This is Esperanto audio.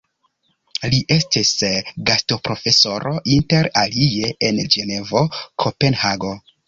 Li estis gastoprofesoro inter alie en Ĝenevo, Kopenhago.